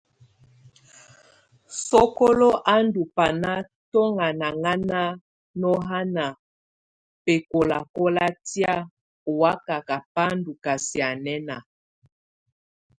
Sokolo á ndù bana tuŋanaŋana nɔŋɔna bɛkɔlakɔla tɛ̀á ɔ́ wakaka bá ndù ka sianɛna.